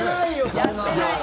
そんなの。